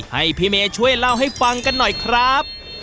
ให้พี่เมย์ช่วยเล่าให้ฟังกันหน่อยครับ